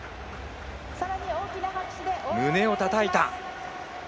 胸をたたいた。